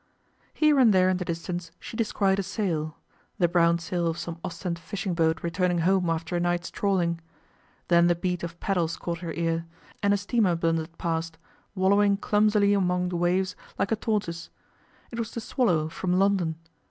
Here and there in the distance she descried a sail the brown sail of some Ostend fishing boat returning home after a night's trawling. Then the beat of paddles caught her ear, and a steamer blundered past, wallowing clumsily among the waves like a tortoise. It was the Swallow from London.